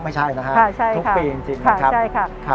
ไม่ใช่นะฮะทุกปีจริงนะครับ